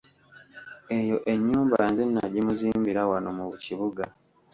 Eyo ennyumba nze nagimuzimbira wano mu kibuga.